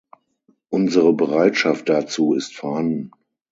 Unsere Bereitschaft dazu ist vorhanden.